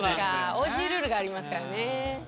オージールールがありますからね。